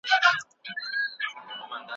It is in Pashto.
ټولنه که سالمه غذا ونه ورکوي، ضعف زیاتیږي.